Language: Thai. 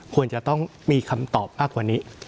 ควรจะต้องมีคำตอบมากกว่านี้